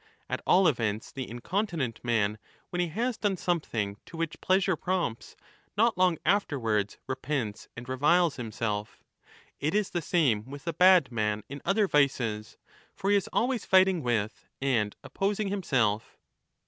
At all events the incontinent man, when he has 1211'' done something to which pleasure prompts, not long after wards repents and reviles himself. It is the same with the bad man in other vices. For he is always fighting with and opposing himself.